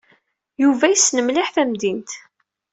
Yuba yessen mliḥ tamdint.